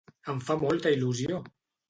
Em fa molta il·lusió!